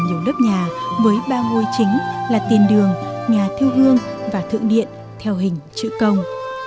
nhiều lớp nhà với ba ngôi chính là tiền đường nhà thư hương và thượng điện theo hình chữ công